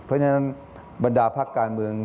เพราะฉะนั้นบรรดาพักการเมือง